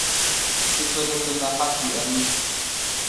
Сыд фэдэ сэнэхьат уиIэми.